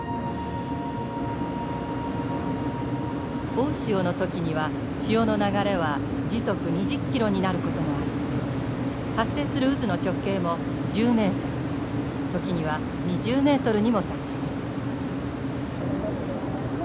大潮の時には潮の流れは時速２０ｋｍになることもあり発生する渦の直径も１０ｍ時には２０ｍにも達します。